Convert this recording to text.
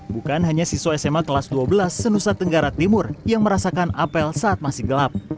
bukan hanya siswa sma kelas dua belas senusa tenggara timur yang merasakan apel saat masih gelap